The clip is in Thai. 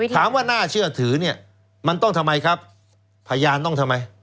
ถามว่าน่าเชื่อถือเนี่ยมันต้องทำไมครับพยานต้องทำไม